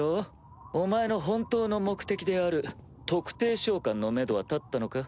お前の本当の目的である特定召喚のめどは立ったのか？